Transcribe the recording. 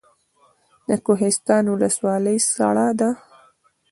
د کوهستان ولسوالۍ سړه ده